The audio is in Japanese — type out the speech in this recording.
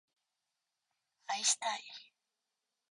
愛したい